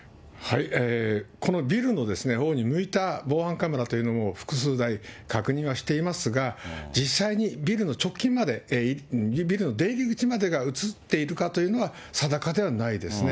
このビルのほうに向いた防犯カメラというのも複数台確認はしていますが、実際にビルの直近まで、ビルの出入り口までが写っているかというのは定かではないですね。